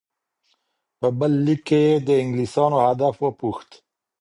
په بل لیک کې یې د انګلیسانو هدف وپوښت.